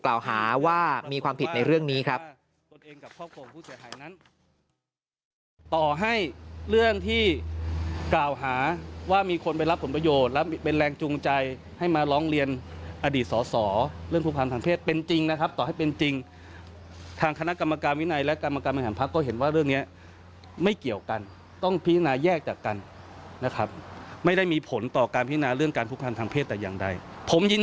กล่าวหาว่ามีคนไปรับคุณประโยชน์เป็นแรงจูงใจให้มาร้องเรียนอดีตสอเรื่องคุกภัณฑ์ทางเพศเป็นจริงนะครับต่อให้เป็นจริงทางคณะกรรมการวินัยและกรรมการบริหารพักก็เห็นว่าเรื่องนี้ไม่เกี่ยวกันต้องพิจารณาแยกจากกันนะครับไม่ได้มีผลต่อการพิจารณาเรื่องการคุกภัณฑ์ทางเพศแต่อย่างใดผมยิน